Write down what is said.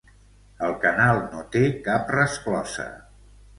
El canal no té cap resclosa.